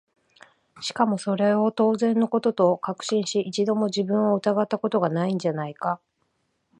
しかもそれを当然の事と確信し、一度も自分を疑った事が無いんじゃないか？